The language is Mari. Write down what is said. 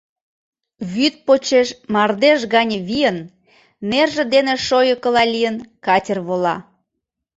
Вӱд почеш мардеж гане вийын, нерже дене шойыкыла лийын, катер вола.